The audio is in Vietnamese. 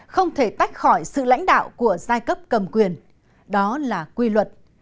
không thể tách khỏi sự lãnh đạo của giai cấp cầm quyền đó là quy luật